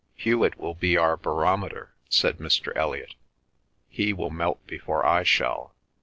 "Hewet will be our barometer," said Mr. Elliot. "He will melt before I shall."